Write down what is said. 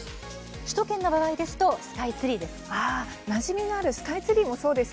首都圏の場合ですとスカイツリーです。